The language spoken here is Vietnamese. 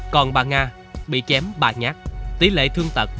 còn bà nga bị chém ba nhát tỷ lệ thương tật hai mươi sáu